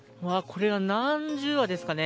これは何十羽ですかね。